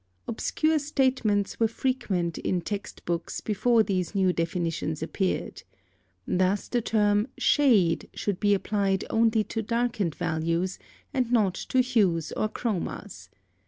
Obscure statements were frequent in text books before these new definitions appeared. Thus the term "shade" should be applied only to darkened values, and not to hues or chromas.